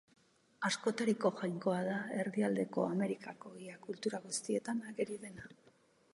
Askotariko jainkoa da, Erdialdeko Amerikako ia kultura guztietan ageri dena.